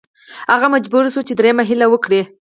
هغه مجبور شو چې دریمه هیله وکړي.